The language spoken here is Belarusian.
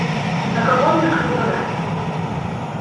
На каго мне крыўдаваць.